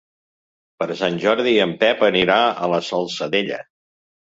Per Sant Jordi en Pep anirà a la Salzadella.